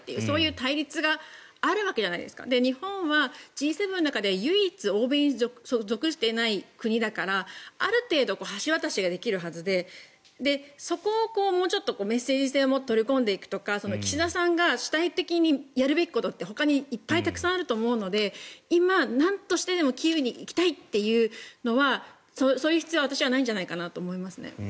日本は唯一Ｇ７で欧米に属していない国だからある程度、橋渡しができるはずでそこをもうちょっとメッセージ性を持って取り込んでいくとか岸田さんが主体的にやるべきことってほかにいっぱいたくさんあるので今、なんとしてでもキーウに行きたいというのはそういう必要は私はないんじゃないかと思いますね。